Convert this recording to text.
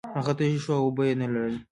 هغه تږی شو او اوبه یې نلرلې.